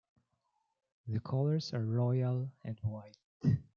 The colors are royal and white.